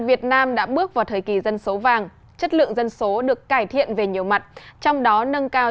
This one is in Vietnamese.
kết thúc vào thời kỳ dân số vàng chất lượng dân số được cải thiện về nhiều mặt trong đó nâng cao